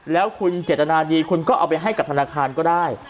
แล้วคุณเจตนาดีคุณก็เอาไปให้กับธนาคารก็ได้